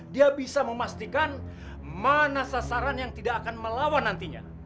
dia bisa memastikan mana sasaran yang tidak akan melawan nantinya